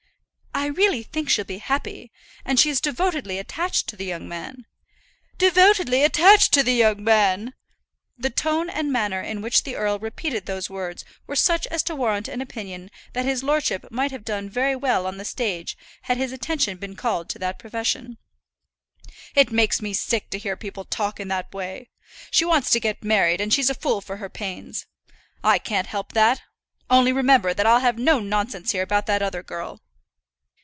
"I really think she'll be happy, and she is devotedly attached to the young man." "Devotedly attached to the young man!" The tone and manner in which the earl repeated these words were such as to warrant an opinion that his lordship might have done very well on the stage had his attention been called to that profession. "It makes me sick to hear people talk in that way. She wants to get married, and she's a fool for her pains; I can't help that; only remember that I'll have no nonsense here about that other girl.